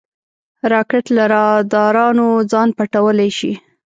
راکټ له رادارونو ځان پټولی شي